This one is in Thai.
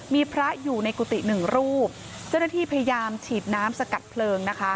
มีพระอยู่ในกุฏิหนึ่งรูปเจ้าหน้าที่พยายามฉีดน้ำสกัดเพลิงนะคะ